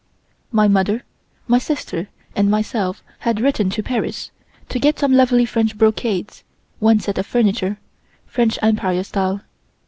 My mother, my sister and myself had written to Paris to get some lovely French brocades, one set of furniture, French Empire style.